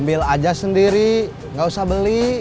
ambil aja sendiri gak usah beli